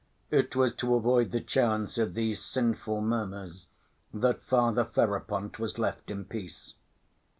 It was to avoid the chance of these sinful murmurs that Father Ferapont was left in peace.